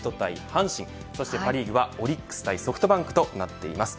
阪神そしてパ・リーグはオリックス対ソフトバンクとなっています。